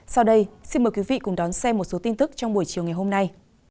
sau đây xin mời quý vị cùng đón xem một số tin tức trong buổi chiều ngày hôm nay